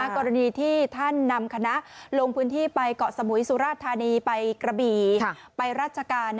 กรณีที่ท่านนำคณะลงพื้นที่ไปเกาะสมุยสุราชธานีไปกระบี่ไปราชการ